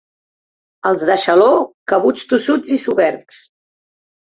Els de Xaló, cabuts, tossuts i sobergs.